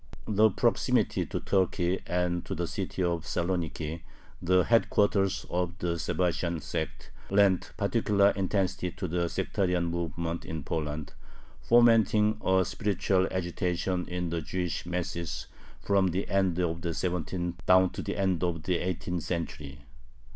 The proximity to Turkey and to the city of Saloniki, the headquarters of the Sabbatian sect, lent particular intensity to the sectarian movement in Poland, fomenting a spiritual agitation in the Jewish masses from the end of the seventeenth down to the end of the eighteenth century.